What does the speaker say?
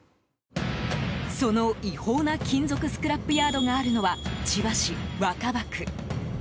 その違法な金属スクラップヤードがあるのは千葉市若葉区。